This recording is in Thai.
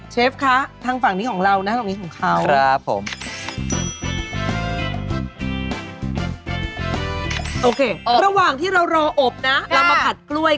เชฟคะทางฝั่งนี้ของเราณตรงนี้ของเขา